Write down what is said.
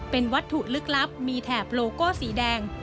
เป็นวัตถุลึกลับมีแถบโลโก้สีแดง